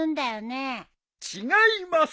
違います！